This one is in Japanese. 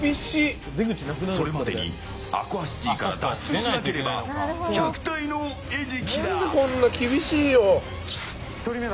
それまでにアクアシティから脱出しなければ１００体の餌食だ。